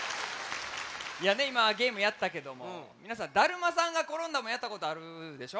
いやねいまゲームやったけどもみなさんだるまさんがころんだもやったことあるでしょ？